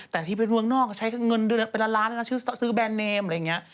แต่ที่ไปเมืองนอกใช้เงินเป็นละล้านซื้อแบรนด์เนมอะไรอย่างนี้